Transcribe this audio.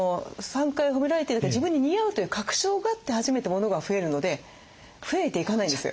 ３回ほめられてるから自分に似合うという確証があって初めてモノが増えるので増えていかないんです。